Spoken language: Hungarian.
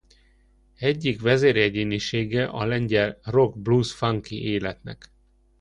Egyik vezéregyénisége a lengyel rock- blues- funky életnek.